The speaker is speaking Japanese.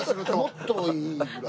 もっといいぐらい。